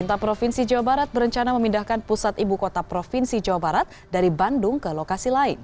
pemerintah provinsi jawa barat berencana memindahkan pusat ibu kota provinsi jawa barat dari bandung ke lokasi lain